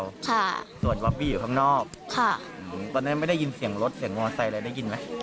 ค่ะส่วนบอบบี้อยู่ข้างนอกค่ะตอนนั้นไม่ได้ยินเสียงรถเสียงมอไซค์อะไรได้ยินไหม